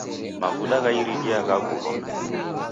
Mavuda gha iridia ghaghulwa